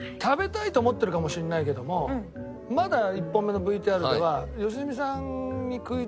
食べたいと思ってるかもしれないけどもまだ１本目のＶＴＲでは良純さんに。